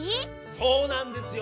そうなんですよ！